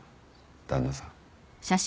旦那さん。